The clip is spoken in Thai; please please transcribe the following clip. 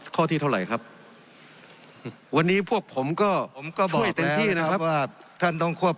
ข้อที่เท่าไหร่ครับวันนี้พวกผมก็ช่วยเต็มที่นะครับ